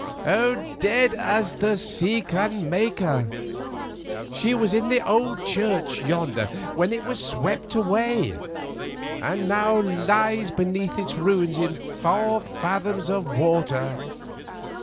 "Dead as the sea can make her. She was in the old church yonder when it was swept away, and now lies beneath its ruins in four fathoms of water."